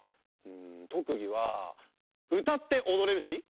とくぎはうたっておどれるし。